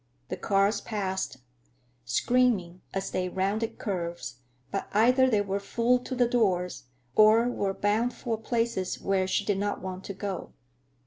The cars passed, screaming as they rounded curves, but either they were full to the doors, or were bound for places where she did not want to go.